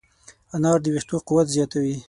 انار د ویښتو قوت زیاتوي.